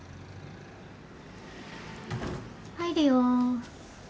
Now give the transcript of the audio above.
・入るよ。